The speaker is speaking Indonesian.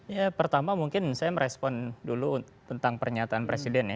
ya pertama mungkin saya merespon dulu tentang pernyataan presiden ya